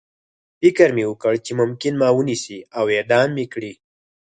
فکر مې وکړ چې ممکن ما ونیسي او اعدام مې کړي